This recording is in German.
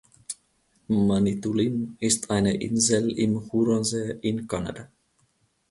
Manitoulin ist eine Insel im Huronsee in Kanada.